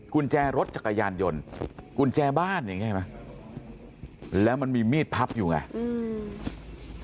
กุญแจรถจักรยานยนต์กุญแจบ้านอย่างนี้เห็นไหมแล้วมันมีมีดพับอยู่ไงอืม